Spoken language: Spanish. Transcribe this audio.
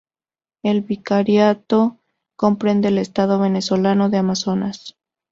El vicariato comprende el estado venezolano de Amazonas.